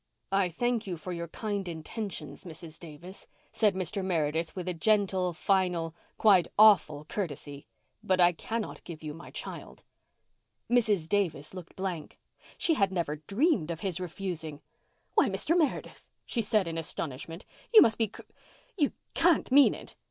"I thank you for your kind intentions, Mrs. Davis," said Mr. Meredith with a gentle, final, quite awful courtesy, "but I cannot give you my child." Mrs. Davis looked blank. She had never dreamed of his refusing. "Why, Mr. Meredith," she said in astonishment. "You must be cr—you can't mean it.